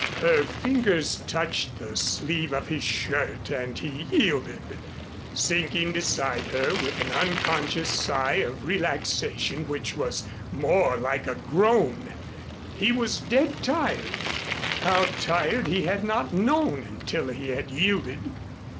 Her fingers touched the sleeve of his shirt and he yielded, sinking beside her with an unconscious sigh of relaxation which was more like a groan. He was dead tired how tired he had not known until he had yielded.